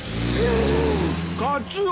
・カツオ！